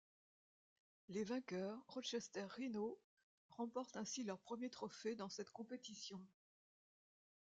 Les vainqueurs, Rochester Rhinos, remportent ainsi leur premier trophée dans cette compétition.